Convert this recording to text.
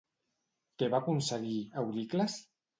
Què va aconseguir, Euricles?